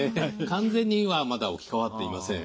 完全にはまだ置き換わっていません。